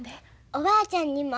おばあちゃんにも？